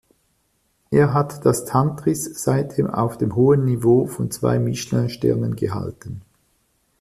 Er hat das Tantris seitdem auf dem hohen Niveau von zwei Michelin-Sternen gehalten.